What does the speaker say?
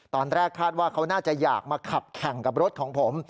ตอนแรกคาดว่าเขาน่าจะอยากมาขับแข่งกับรถของผม